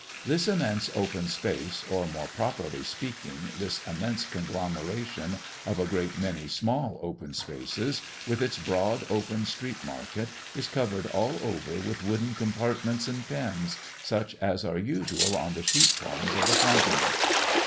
This immense open place, or more properly speaking, this immense conglomeration of a great many small open places, with its broad open street market, is covered all over with wooden compartments and pens, such as are usual on the sheep farms of the continent.